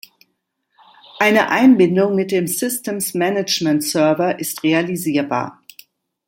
Eine Einbindung mit dem Systems Management Server ist realisierbar.